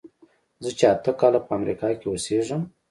زه چې اته کاله په امریکا کې اوسېږم.